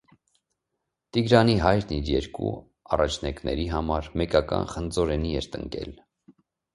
Տիգրանի հայրն իր երկու առաջնեկների համար մեկական խնձորենի էր տնկել։